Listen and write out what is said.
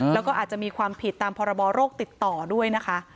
แล้วก็อาจจะมีความผิดตามพรบโรคติดต่อด้วยนะคะ